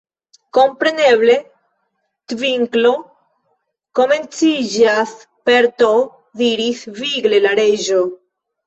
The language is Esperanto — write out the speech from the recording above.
"Kompreneble 'tvinklo' komenciĝas per T" diris vigle la Reĝo.